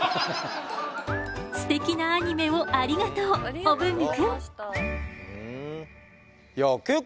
すてきなアニメをありがとうお文具くん。